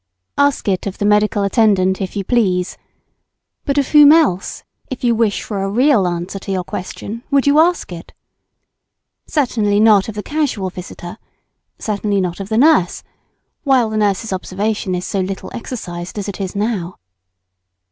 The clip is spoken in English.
Ask it of the medical attendant, if you please. But of whom else, if you wish for a real answer to your question, would you ask? Certainly not of the casual visitor; certainly not of the nurse, while the nurse's observation is so little exercised as it is now.